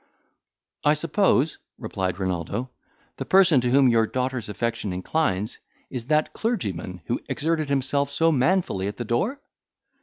"I suppose," replied Renaldo, "the person to whom your daughter's affection inclines, is that clergyman who exerted himself so manfully at the door?"